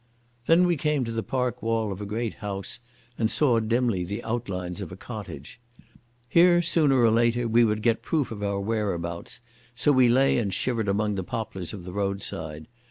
Then we came to the park wall of a great house, and saw dimly the outlines of a cottage. Here sooner or later we would get proof of our whereabouts, so we lay and shivered among the poplars of the roadside.